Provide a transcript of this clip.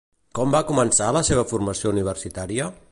Com va començar la seva formació universitària?